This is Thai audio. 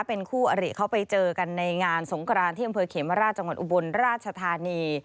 เป็นคู่อริเขาไปเจอกันในงานสงกรานที่อำเภอเขมราชจังหวัดอุบลราชธานี